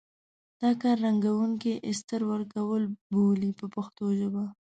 دا کار رنګوونکي استر ورکول بولي په پښتو ژبه.